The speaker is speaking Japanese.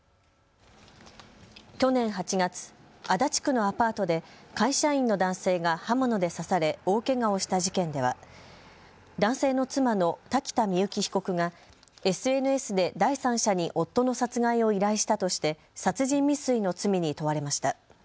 去年８月、足立区のアパートで会社員の男性が刃物で刺され大けがをした事件では男性の妻の瀧田深雪被告がＳＮＳで第三者に夫の殺害を依頼したとして殺人未遂の罪に問われました。